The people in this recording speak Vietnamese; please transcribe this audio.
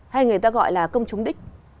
hay người ta gọi là công chúng đích